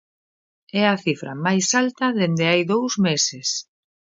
É a cifra máis alta dende hai dous meses.